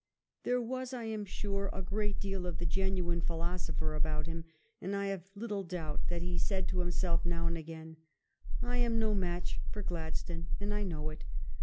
There was, I am sure, a great deal of the genuine phi losopher about him, and I have little doubt that he said to himself now and again, " I am no match for Gladstone, and I know it.